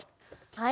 はい。